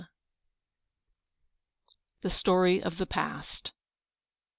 THE STOCKY OF THE PAST.